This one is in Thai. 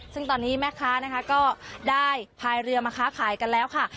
ซึ่งตอนนี้แม่ค้านะคะก็ได้พายเรือมาค้าขายกันแล้วค่ะ